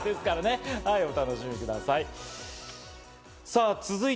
お楽しみください。